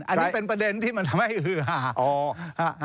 อันนี้เป็นประเด็นที่มันทำให้ฮือหา